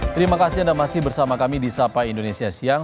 terima kasih anda masih bersama kami di sapa indonesia siang